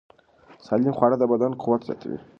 سالم خواړه د بدن قوت زیاتوي.